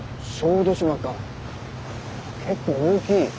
結構大きい。